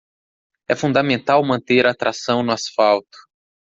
É fundamental manter a tração no asfalto.